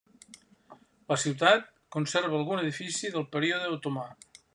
La ciutat conserva algun edifici del període otomà.